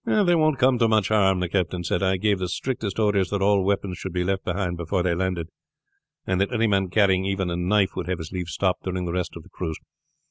"They won't come to much harm," the captain said. "I gave the strictest orders that all weapons should be left behind before they landed, and that any man carrying even a knife would have his leave stopped during the rest of the cruise.